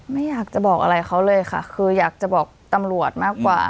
ไม่อยากจะบอกอะไรเขาเลยค่ะคืออยากจะบอกตำรวจมากกว่า